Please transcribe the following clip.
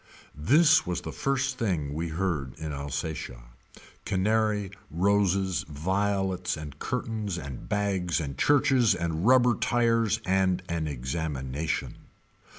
This was the first thing we heard in Alsatia. Canary, roses, violets and curtains and bags and churches and rubber tires and an examination.